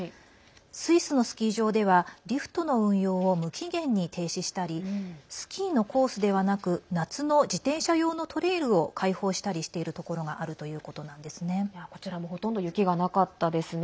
スイスのスキー場ではリフトの運用を無期限に停止したりスキーのコースではなく夏の自転車用のトレイルを開放したりしているところがあるということなんですね。